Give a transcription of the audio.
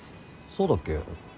そうだっけ？